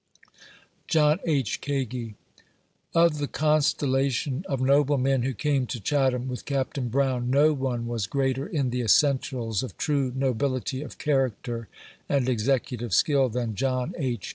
JOHN H. KAGI. Of the constellation of noble men who came to Chatham with Oapt. Brown, no one was greater in the essentials of true nobility of character and executive skill than John H.